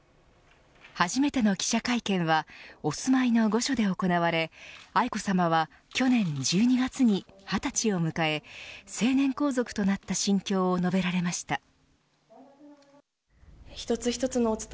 初めての記者会見はお住まいの御所で行われ愛子さまは、去年１２月に２０歳を迎え成年皇族となった心境を述べられました。